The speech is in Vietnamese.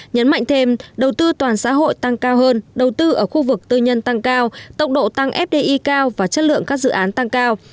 nhấn mạnh thêm đầu tư toàn xã hội tăng cao hơn đầu tư ở khu vực tư nhân tăng cao tốc độ tăng fdi cao và chất lượng các dự án tăng cao